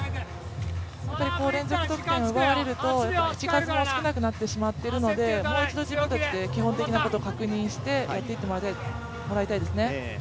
連続得点を奪われると口数も少なくなってしまっているのでもう一度、自分たちで基本的なことを確認してやっていってほしいですね。